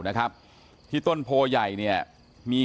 ฐานพระพุทธรูปทองคำ